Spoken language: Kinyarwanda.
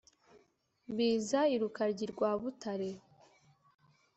Biza i Rukaryi rwa Butare